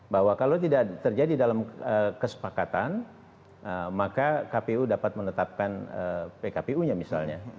bahwa kalau tidak terjadi dalam kesepakatan maka kpu dapat menetapkan pkpu nya misalnya